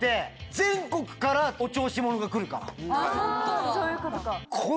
全国からお調子者が来るから。